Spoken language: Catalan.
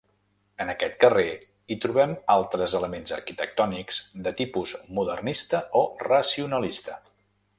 En aquest carrer hi trobem altres elements arquitectònics de tipus modernista o racionalista.